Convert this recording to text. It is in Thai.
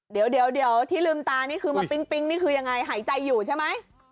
เดี๋ยวที่ลืมตานี่คือมาปิ๊งนี่คือยังไงหายใจอยู่ใช่ไหม